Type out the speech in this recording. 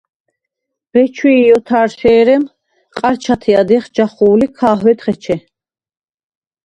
ბეჩვი̄ ოთარშე̄რემ ყა̈რჩათე ადჲეხ ჯახუ̄ლ ი ქა̄ჰვედხ ეჩე.